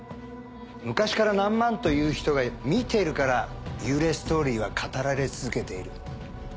昔から何万という人が見てるから幽霊ストーリーは語られ続けている。